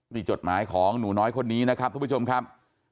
นี่จดหมายของหนูน้อยคนนี้นะครับทุกผู้ชมครับ